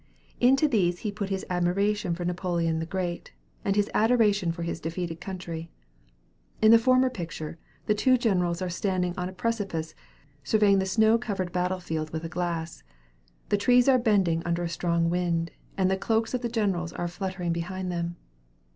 Into these he put his admiration for Napoleon the Great, and his adoration for his defeated country. In the former picture, the two generals are standing on a precipice, surveying the snow covered battle field with a glass; the trees are bending under a strong wind, and the cloaks of the generals are fluttering behind them.